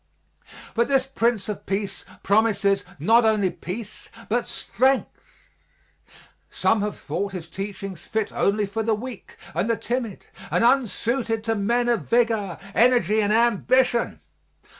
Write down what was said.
But this Prince of Peace promises not only peace but strength. Some have thought His teachings fit only for the weak and the timid and unsuited to men of vigor, energy and ambition.